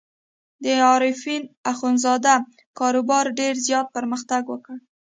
د عارفین اخندزاده کاروبار ډېر زیات پرمختګ وکړ.